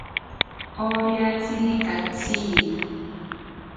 Oriatsiri katsiri.